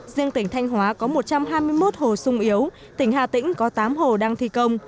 riêng tỉnh thanh hóa có một trăm hai mươi một hồ sung yếu tỉnh hà tĩnh có tám hồ đang thi công